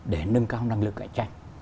để nâng cao năng lực cải tranh